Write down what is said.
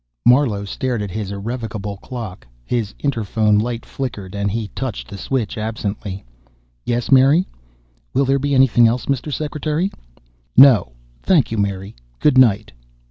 Marlowe stared at his irrevocable clock. His interphone light flickered, and he touched the switch absently. "Yes, Mary?" "Will there be anything else, Mr. Secretary?" "No, thank you, Mary. Good night."